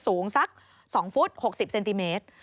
สูงสัก๒ฟุต๖๐เซนติเมตร